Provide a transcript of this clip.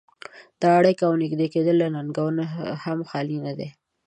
دا اړيکې او نږدې کېدل له ننګونو هم خالي نه دي.